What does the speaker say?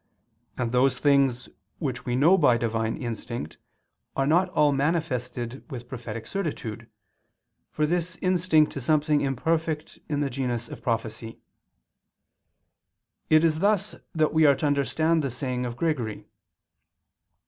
And those things which we know by Divine instinct are not all manifested with prophetic certitude, for this instinct is something imperfect in the genus of prophecy. It is thus that we are to understand the saying of Gregory.